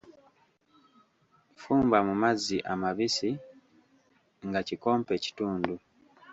Fumba mu mazzi amabisi nga kikompe kitundu